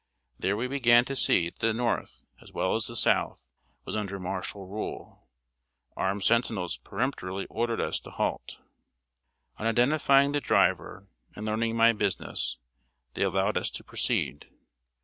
There we began to see that the North, as well as the South, was under martial rule. Armed sentinels peremptorily ordered us to halt. On identifying the driver, and learning my business, they allowed us to proceed.